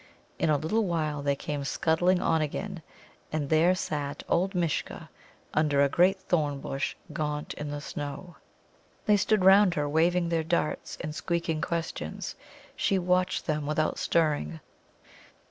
In a little while they came scuttling on again, and there sat old Mishcha under a great thorn bush, gaunt in the snow. They stood round her, waving their darts, and squeaking questions. She watched them without stirring.